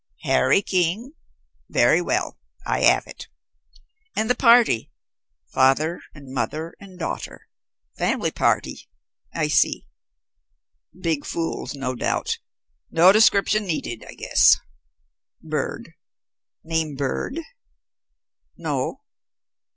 Harry King very well, I have it. And the party? Father and mother and daughter. Family party. I see. Big fools, no doubt. No description needed, I guess. Bird? Name Bird? No.